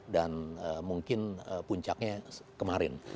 dan mungkin puncaknya kemarin